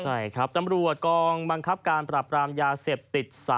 ใช่ครับตำรวจกองบังคับการปรับรามยาเสพติด๓